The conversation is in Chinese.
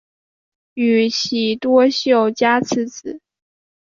宇喜多秀家次子。